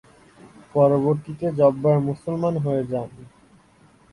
পরবর্তীতে জব্বার মুসলমান হয়ে যান।